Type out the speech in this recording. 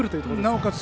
なおかつ